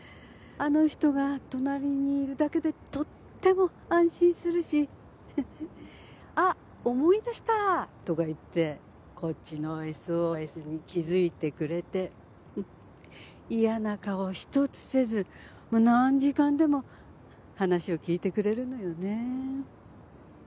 あの人が隣にいるだけでとっても安心するし「あっ思い出した！」とか言ってこっちのＳＯＳに気づいてくれて嫌な顔一つせず何時間でも話を聞いてくれるのよね。